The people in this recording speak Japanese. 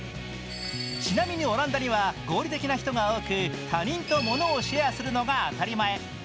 ちなみに、オランダには合理的な人が多く、他人とものをシェアするのが当たり前。